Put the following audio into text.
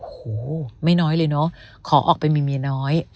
โอ้โหไม่น้อยเลยเนอะขอออกไปมีเมียน้อย